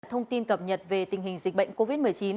thông tin cập nhật về tình hình dịch bệnh covid một mươi chín